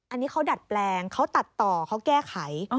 อันนี้เขาดัดแปลงเขาตัดต่อเขาแก้ไข